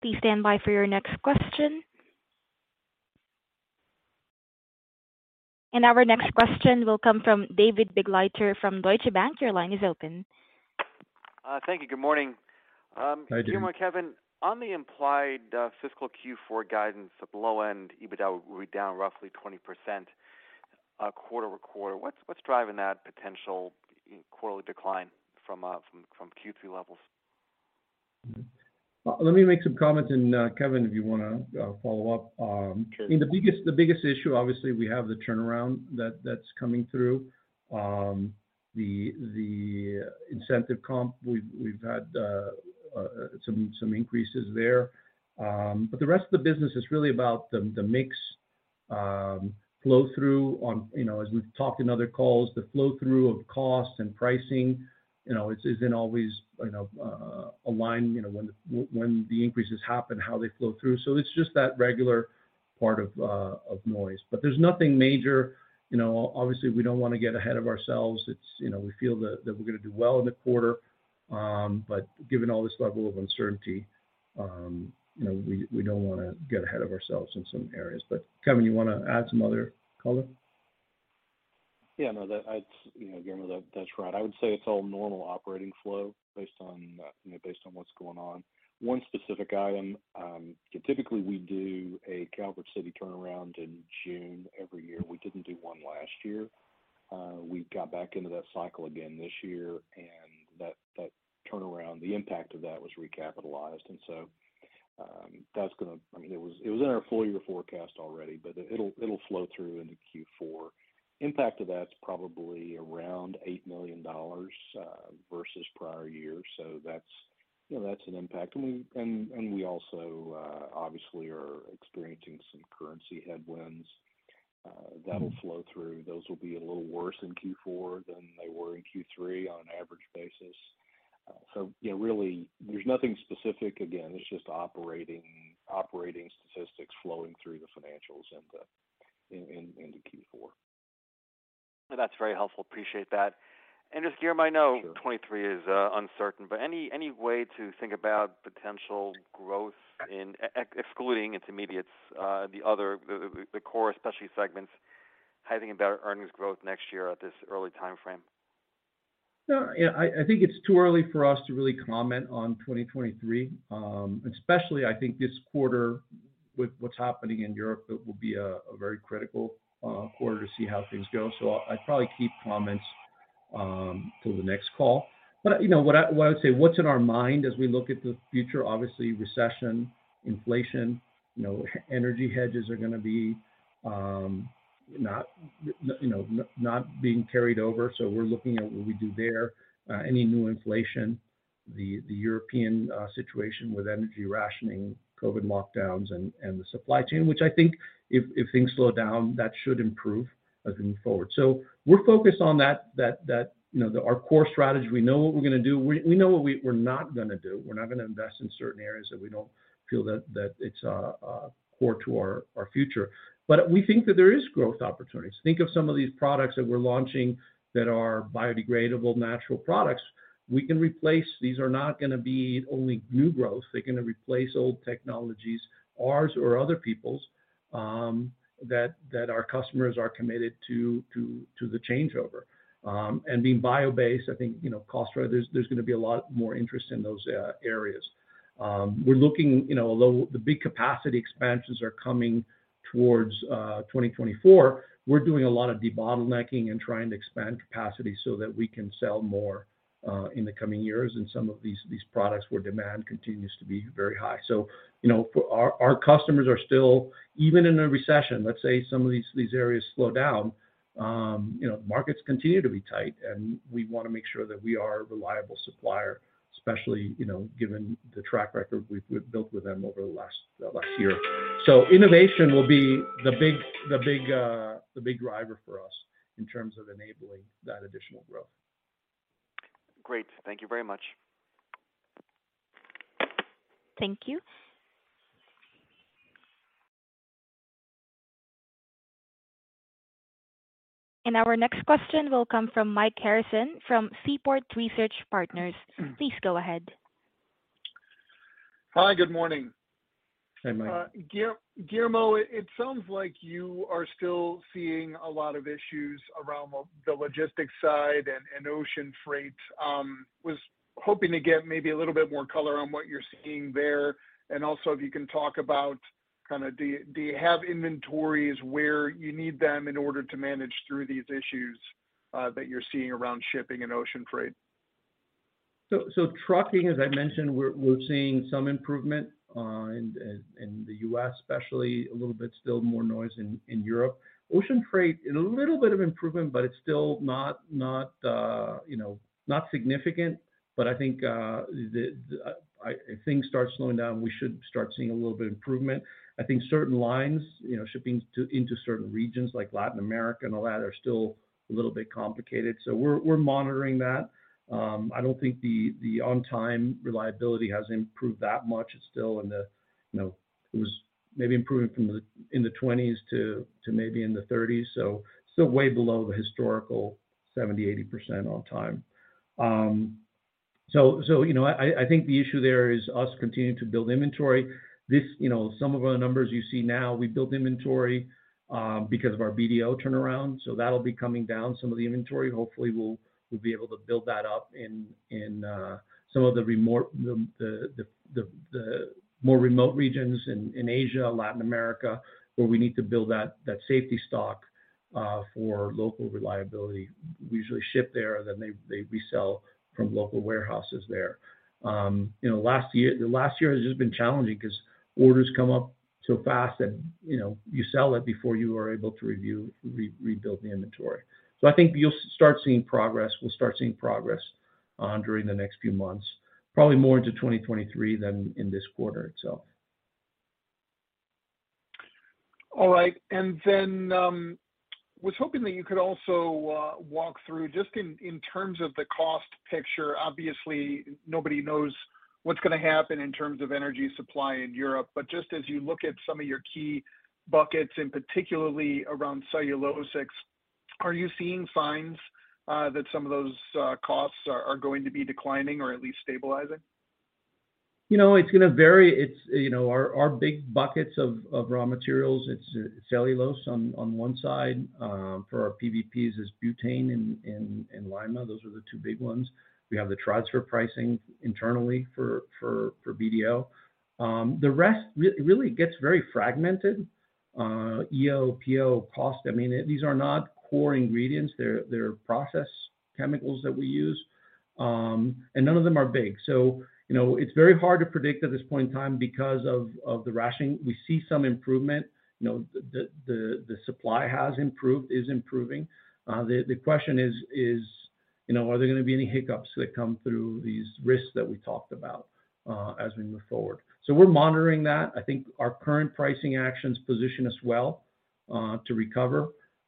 Please stand by for your next question. Our next question will come from David Begleiter from Deutsche Bank. Your line is open. Thank you. Good morning. Hi, David. Guillermo, Kevin, on the implied fiscal Q4 guidance at the low end, EBITDA will be down roughly 20%, quarter-over-quarter. What's driving that potential quarterly decline from Q3 levels? Let me make some comments and, Kevin, if you wanna follow up. I mean, the biggest issue, obviously we have the turnaround that's coming through. The incentive comp, we've had some increases there. The rest of the business is really about the mix, flow through on, you know, as we've talked in other calls, the flow through of cost and pricing, you know, it isn't always, you know, aligned, you know, when the increases happen, how they flow through. It's just that regular part of noise. There's nothing major. You know, obviously we don't wanna get ahead of ourselves. It's, you know, we feel that we're gonna do well in the quarter. Given all this level of uncertainty, you know, we don't wanna get ahead of ourselves in some areas. Kevin, you wanna add some other color? Yeah. No, it's, you know, Guillermo, that's right. I would say it's all normal operating flow based on what's going on. One specific item, typically we do a Calvert City turnaround in June every year. We didn't do one last year. We got back into that cycle again this year, and that turnaround, the impact of that was recapitalized. That's gonna. I mean, it was in our full year forecast already, but it'll flow through into Q4. Impact of that's probably around $8 million versus prior years. That's, you know, that's an impact. We also obviously are experiencing some currency headwinds that'll flow through. Those will be a little worse in Q4 than they were in Q3 on an average basis. you know, really there's nothing specific, again, it's just operating statistics flowing through the financials into Q4. That's very helpful. Appreciate that. Just Guillermo, I know 2023 is uncertain, but any way to think about potential growth excluding its Intermediates, the other core specialty segments, how are you thinking about earnings growth next year at this early timeframe? No, you know, I think it's too early for us to really comment on 2023. Especially I think this quarter with what's happening in Europe, that will be a very critical quarter to see how things go. I'd probably keep comments till the next call. You know, what I would say, what's in our mind as we look at the future, obviously recession, inflation, you know, energy hedges are gonna be not being carried over. We're looking at what we do there. Any new inflation, the European situation with energy rationing, COVID lockdowns and the supply chain, which I think if things slow down, that should improve as we move forward. We're focused on that, you know, our core strategy. We know what we're gonna do. We know what we're not gonna do. We're not gonna invest in certain areas that we don't feel that it's core to our future. We think that there is growth opportunities. Think of some of these products that we're launching that are biodegradable natural products. We can replace. These are not gonna be only new growth. They're gonna replace old technologies, ours or other people's, that our customers are committed to the changeover. Being bio-based, I think, you know, cost, right, there's gonna be a lot more interest in those areas. We're looking, you know, although the big capacity expansions are coming towards 2024, we're doing a lot of debottlenecking and trying to expand capacity so that we can sell more in the coming years in some of these products where demand continues to be very high. You know, our customers are still. Even in a recession, let's say some of these areas slow down, you know, markets continue to be tight, and we wanna make sure that we are a reliable supplier, especially, you know, given the track record we've built with them over the last year. Innovation will be the big driver for us in terms of enabling that additional growth. Great. Thank you very much. Thank you. Our next question will come from Mike Harrison from Seaport Research Partners. Please go ahead. Hi. Good morning. Hey, Mike. Guillermo, it sounds like you are still seeing a lot of issues around the logistics side and ocean freight. Was hoping to get maybe a little bit more color on what you're seeing there. Also if you can talk about do you have inventories where you need them in order to manage through these issues that you're seeing around shipping and ocean freight? Trucking, as I mentioned, we're seeing some improvement in the U.S. especially, a little bit still more noise in Europe. Ocean freight in a little bit of improvement, but it's still not, you know, not significant. I think if things start slowing down, we should start seeing a little bit of improvement. I think certain lines, you know, shipping into certain regions like Latin America and all that, are still a little bit complicated. We're monitoring that. I don't think the on-time reliability has improved that much. It's still in the, you know, it was maybe improving from in the 20s to maybe in the 30s, so still way below the historical 70%-80% on time. You know, I think the issue there is us continuing to build inventory. This, you know, some of our numbers you see now, we built inventory because of our BDO turnaround, so that'll be coming down some of the inventory. Hopefully we'll be able to build that up in some of the more remote regions in Asia, Latin America, where we need to build that safety stock for local reliability. We usually ship there, then they resell from local warehouses there. You know, last year has just been challenging 'cause orders come up so fast and, you know, you sell it before you are able to rebuild the inventory. I think you'll start seeing progress. We'll start seeing progress on during the next few months, probably more into 2023 than in this quarter itself. All right. Was hoping that you could also walk through just in terms of the cost picture. Obviously, nobody knows what's gonna happen in terms of energy supply in Europe. Just as you look at some of your key buckets, and particularly around cellulosics, are you seeing signs that some of those costs are going to be declining or at least stabilizing? You know, it's gonna vary. It's, you know. Our big buckets of raw materials, it's cellulose on one side. For our PVPs, it's butane in Lima. Those are the two big ones. We have the transfer pricing internally for BDO. The rest really gets very fragmented. EO/PO cost. I mean, these are not core ingredients. They're process chemicals that we use, and none of them are big. You know, it's very hard to predict at this point in time because of the rationing. We see some improvement. You know, the supply has improved, is improving. The question is, you know, are there gonna be any hiccups that come through these risks that we talked about, as we move forward? We're monitoring that. I think our current pricing actions position us well to recover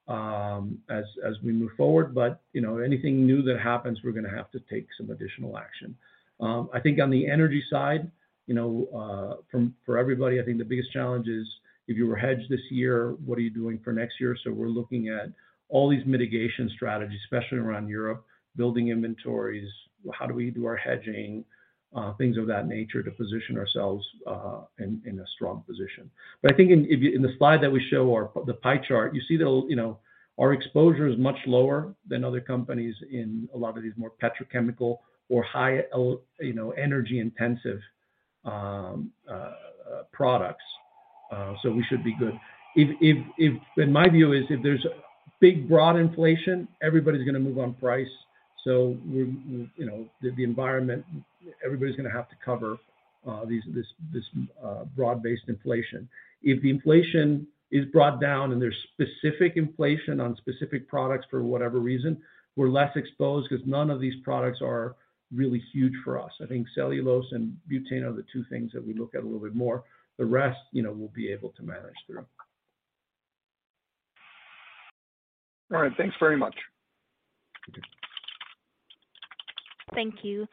as we move forward. You know, anything new that happens, we're gonna have to take some additional action. I think on the energy side, you know, for everybody, I think the biggest challenge is if you were hedged this year, what are you doing for next year? We're looking at all these mitigation strategies, especially around Europe, building inventories, how do we do our hedging, things of that nature to position ourselves in a strong position. I think in the slide that we show or the pie chart, you see that, you know, our exposure is much lower than other companies in a lot of these more petrochemical or energy-intensive products. We should be good. My view is if there's big, broad inflation, everybody's gonna move on price. We're, you know, the environment, everybody's gonna have to cover this broad-based inflation. If the inflation is brought down and there's specific inflation on specific products for whatever reason, we're less exposed because none of these products are really huge for us. I think cellulose and butane are the two things that we look at a little bit more. The rest, you know, we'll be able to manage through. All right. Thanks very much. Okay. Thank you.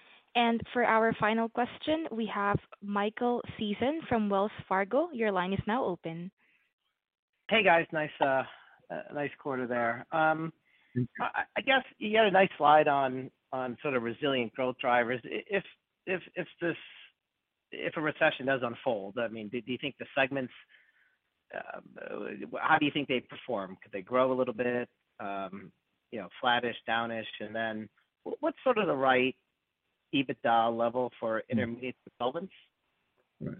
For our final question, we have Michael Sison from Wells Fargo. Your line is now open. Hey, guys. Nice quarter there. I guess you had a nice slide on sort of resilient growth drivers. If a recession does unfold, I mean, do you think the segments how do you think they perform? Could they grow a little bit? You know, flattish, downish? What's sort of the right EBITDA level for Intermediates? Right.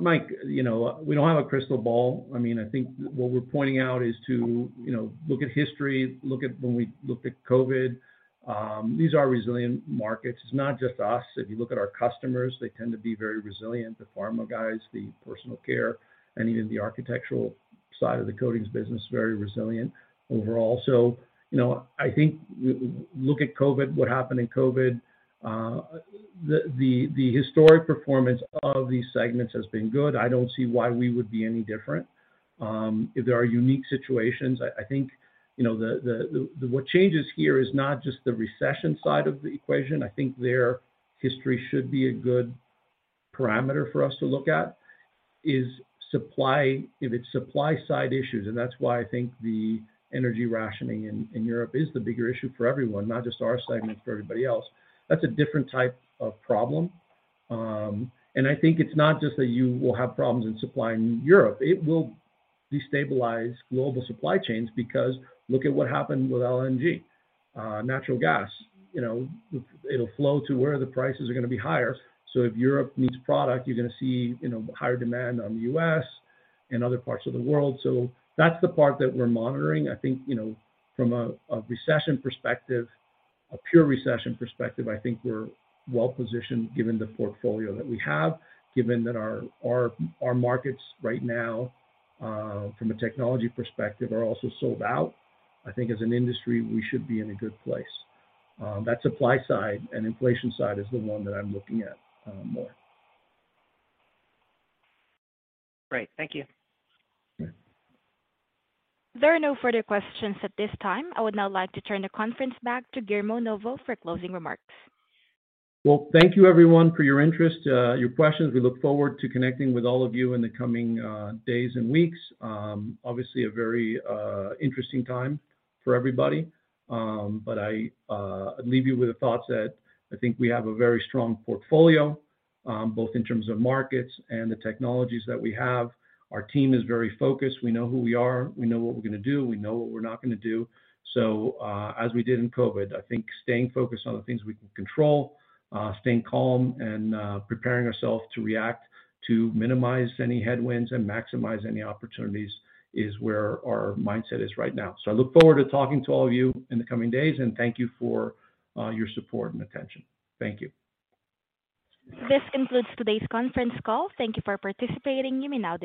Mike, you know, we don't have a crystal ball. I mean, I think what we're pointing out is to, you know, look at history, look at when we looked at COVID. These are resilient markets. It's not just us. If you look at our customers, they tend to be very resilient. The pharma guys, the Personal Care, and even the architectural side of the coatings business, very resilient overall. You know, I think look at COVID, what happened in COVID, the historic performance of these segments has been good. I don't see why we would be any different. If there are unique situations, I think, you know, what changes here is not just the recession side of the equation, I think their history should be a good parameter for us to look at, is supply. If it's supply side issues, and that's why I think the energy rationing in Europe is the bigger issue for everyone, not just our segment, for everybody else. That's a different type of problem. I think it's not just that you will have problems in supplying Europe. It will destabilize global supply chains because look at what happened with LNG, natural gas. You know, it'll flow to where the prices are gonna be higher. If Europe needs product, you're gonna see, you know, higher demand on the U.S. and other parts of the world. That's the part that we're monitoring. I think, you know, from a recession perspective, a pure recession perspective, I think we're well-positioned given the portfolio that we have, given that our markets right now, from a technology perspective, are also sold out. I think as an industry, we should be in a good place. That supply side and inflation side is the one that I'm looking at, more. Great. Thank you. Okay. There are no further questions at this time. I would now like to turn the conference back to Guillermo Novo for closing remarks. Well, thank you everyone for your interest, your questions. We look forward to connecting with all of you in the coming days and weeks. Obviously a very interesting time for everybody. I leave you with the thoughts that I think we have a very strong portfolio, both in terms of markets and the technologies that we have. Our team is very focused. We know who we are, we know what we're gonna do, and we know what we're not gonna do. As we did in COVID, I think staying focused on the things we can control, staying calm and preparing ourselves to react to minimize any headwinds and maximize any opportunities is where our mindset is right now. I look forward to talking to all of you in the coming days, and thank you for your support and attention. Thank you. This concludes today's conference call. Thank you for participating. You may now disconnect.